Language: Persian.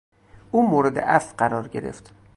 او مورد عفو قرار گرفت.